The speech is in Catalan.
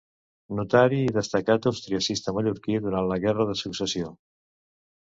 Notari i destacat austriacista mallorquí durant la Guerra de Successió.